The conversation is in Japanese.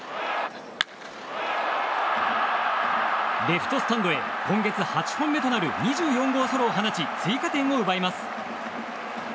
レフトスタンドへ今月８本目となる２４号ソロを放ち追加点を奪います。